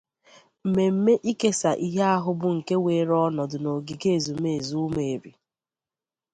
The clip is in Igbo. Mmemme ikesà ihe ahụ bụ nke weere ọnọdụ n'ogige ezumeezu Ụmụeri